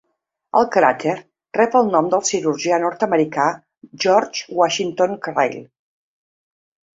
El cràter rep el nom del cirurgià nord-americà George Washington Crile.